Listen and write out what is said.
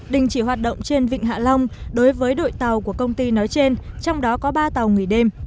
đình chỉ hoạt động trên vịnh hạ long đối với đội tàu của công ty nói trên trong đó có ba tàu nghỉ đêm